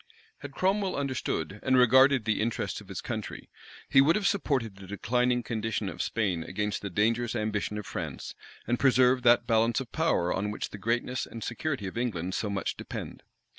Had Cromwell understood and regarded the interests of his country, he would have supported the declining condition of Spain against the dangerous ambition of France, and preserved that balance of power on which the greatness and security of England so much depend.